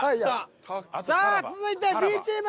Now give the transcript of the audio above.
さあ続いてＢチーム！